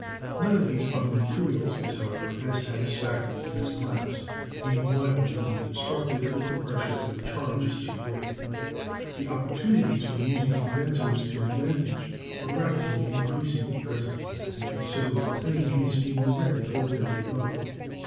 None of these other materials is, however, as satisfactory as glass, being liable to be dis rupted if the pressure of the charge is too great. The op portunities for using condensers to advantage are rapidly 172 ELECTRICITY increasing at present and considerable energy is being directed toward their development.